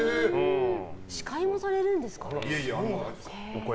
司会もされるんですか。